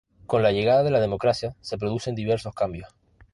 Con la llegada de la democracia se producen diversos cambios.